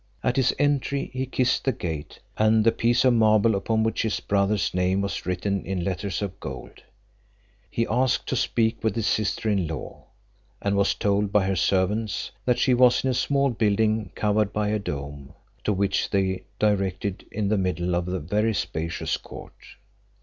At his entry he kissed the gate, and the piece of marble upon which his brother's name was written in letters of gold. He asked to speak with his sister in law, and was told by her servants, that she was in a small building covered by a dome, to which they directed in the middle of a very spacious court.